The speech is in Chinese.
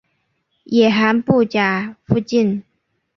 野寒布岬附近。